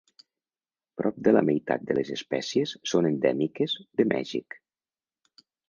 Prop de la meitat de les espècies són endèmiques de Mèxic.